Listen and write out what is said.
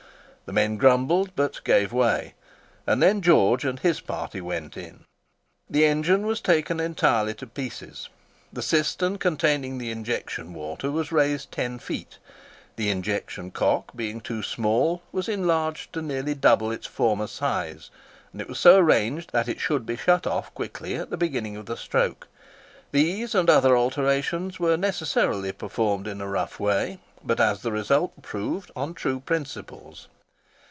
The men grumbled, but gave way; and then George and his party went in. The engine was taken entirely to pieces. The cistern containing the injection water was raised ten feet; the injection cock, being too small, was enlarged to nearly double its former size, and it was so arranged that it should be shut off quickly at the beginning of the stroke. These and other alterations were necessarily performed in a rough way, but, as the result proved, on true principles.